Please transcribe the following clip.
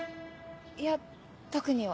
いや特には。